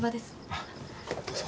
あっどうぞ。